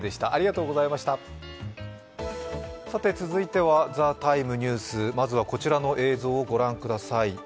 続いては「ＴＨＥＴＩＭＥ，ニュース」、まずはこちらの映像を御覧ください。